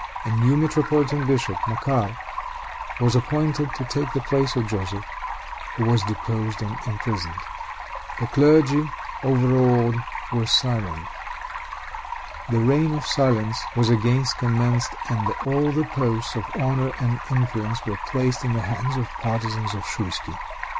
A new metropolitan bishop, Macaire was appointed to take the place of Joseph, who was deposed and imprisoned. The clergy, overawed, were silent. The reign of silence was again commenced, and all the posts of honor and influence were placed in the hands of the partisans of Schouisky.